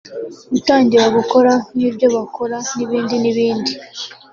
dutangire gukora nk'ibyo bakora n'ibindi n'ibindi